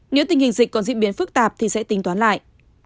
nếu tình hình dịch còn diễn biến phức tạp thì sẽ tính toán lại